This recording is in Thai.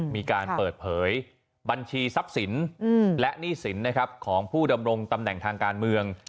มีการเปิดเผยบัญชีทรัพย์สินและหนี้สินของผู้ดำรงตำแหน่งทางการเมือง